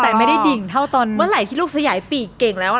แต่ไม่ได้ดิ่งเท่าตอนเมื่อไหร่ที่ลูกสยายปีกเก่งแล้ว